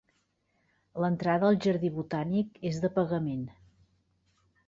L'entrada al jardí botànic és de pagament.